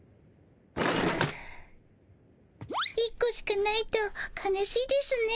１個しかないと悲しいですね。